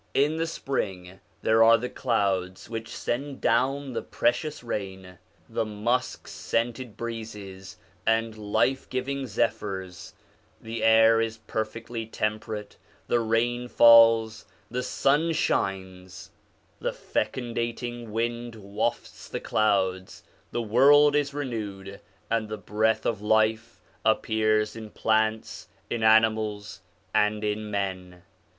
In the spring there are the clouds which send down the precious rain, the musk seen ted breezes and life giving zephyrs ; the air is perfectly temperate, the rain falls, the sun shines, the fecundating wind wafts the clouds, the world is renewed, and the breath of life appears in plants, in animals, and in men.